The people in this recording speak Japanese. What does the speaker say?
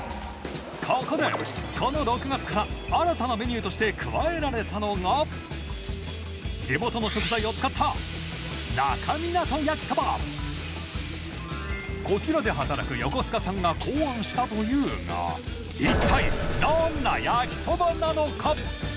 ここでこの６月から新たなメニューとして加えられたのがこちらで働く横須賀さんが考案したというが一体どんな焼きそばなのか？